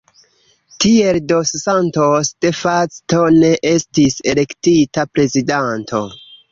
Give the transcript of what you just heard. Tiel dos Santos de facto ne estis elektita prezidanto.